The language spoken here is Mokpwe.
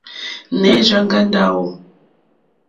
Nɛh Rzang'a Ndawo?